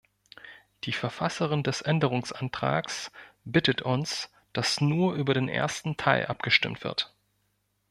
Die Verfasserin des Änderungsantrags bittet uns, dass nur über den ersten Teil abgestimmt wird.